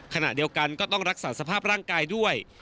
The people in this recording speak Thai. ขณะเดียวกันก็ต้องรักษาสภาพร่างกายด้วย